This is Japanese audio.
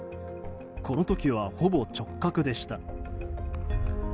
この時はほぼ直角でした。